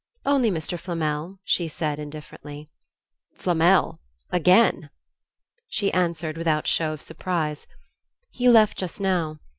"Only Mr. Flamel," she said, indifferently. "Flamel? Again?" She answered without show of surprise. "He left just now.